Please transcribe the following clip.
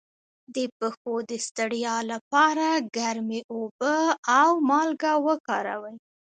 د پښو د ستړیا لپاره ګرمې اوبه او مالګه وکاروئ